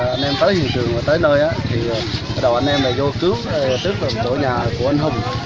khi là anh em tới hiện trường và tới nơi thì đầu anh em là vô cứu trước là một chỗ nhà của anh hùng